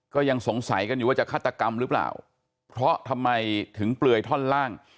ก็ยังสงสัยกันอยู่ว่าจะฆาตกรรมหรือเปล่าเพราะทำไมถึงเปลือยท่อนล่าง